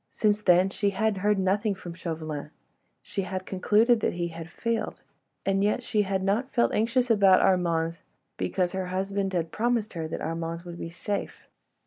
Since then she had heard nothing from Chauvelin. She had concluded that he had failed, and yet, she had not felt anxious about Armand, because her husband had promised her that Armand would be safe.